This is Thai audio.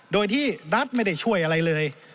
โดยที่รัฐไม่ได้ช่วยอะไรเลย